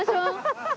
ハハハハ！